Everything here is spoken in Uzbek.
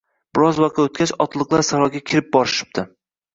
Biroz vaqt o‘tgach, otliqlar saroyga kirib borishibdi